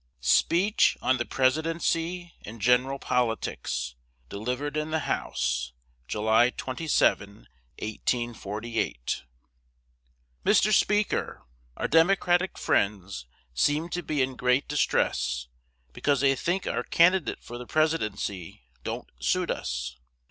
SPEECH ON THE PRESIDENCY AND GENERAL POLITICS. DELIVERED IN THE HOUSE, JULY 27, 1848. Mr. Speaker, Our Democratic friends seem to be in great distress because they think our candidate for the Presidency don't suit us.